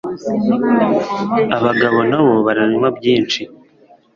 Abagabo na bo baranywa byinshi